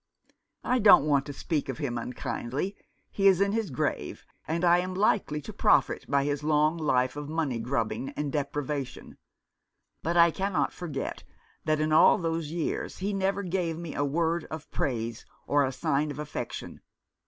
I don't want to speak of him unkindly — he is in his grave, and I am likely to profit by his long life of money grubbing and deprivation — but I cannot forget that in all those years he never gave me a word of praise or a sign of affection.